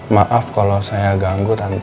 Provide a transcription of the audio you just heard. maaf kalau saya ganggu nanti